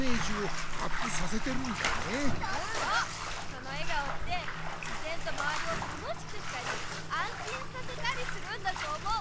人の笑顔ってしぜんとまわりを楽しくしたりあんしんさせたりするんだと思う。